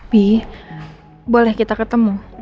bi boleh kita ketemu